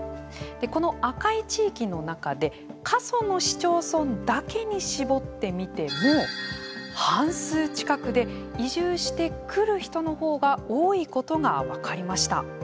この赤い地域の中で過疎の市町村だけに絞って見ても半数近くで移住してくる人のほうが多いことが分かりました。